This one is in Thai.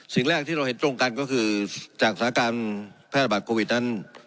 สิ่งแรกที่เราเห็นตรงกันก็คือจากสถานการณ์แพร่ระบาดโควิดนั้น